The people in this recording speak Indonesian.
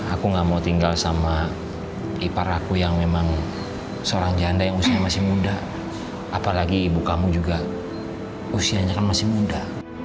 aku gak mau tinggal sama ipar aku yang memang seorang janda yang usianya masih muda apalagi ibu kamu juga usianya kan masih muda